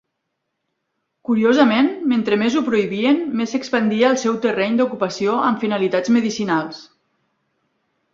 Curiosament, mentre més ho prohibien més s'expandia el seu terreny d'ocupació amb finalitats medicinals.